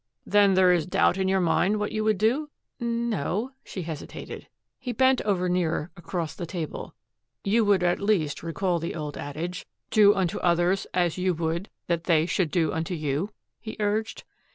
"Then there is doubt in your mind what you would do?" "N no," she hesitated. He bent over nearer across the table. "You would at least recall the old adage, 'Do unto others as you would that they should do unto you'?" he urged.